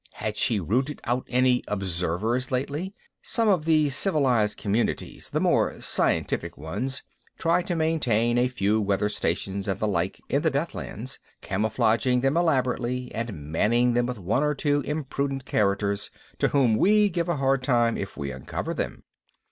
Had she rooted out any "observers" lately? some of the "civilized" communities, the more "scientific" ones, try to maintain a few weather stations and the like in the Deathlands, camouflaging them elaborately and manning them with one or two impudent characters to whom we give a hard time if we uncover them.